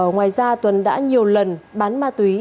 ngoài ra tuấn đã nhiều lần bán ma túy